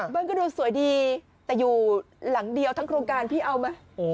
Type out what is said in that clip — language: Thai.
ก็ดูสวยดีแต่อยู่หลังเดียวทั้งโครงการพี่เอาไหม